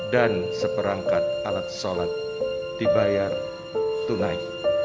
dan seperangkat alat sholat dibayar tunai